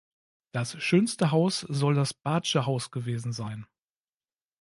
Das schönste Haus, soll das „Barth´sche Haus“ gewesen sein.